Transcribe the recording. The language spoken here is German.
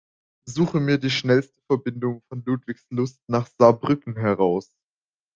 Suche mir die schnellste Verbindung von Ludwigslust nach Saarbrücken heraus.